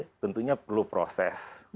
ini tentunya perlu proses